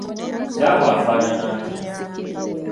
Zzaabu afaanana atya?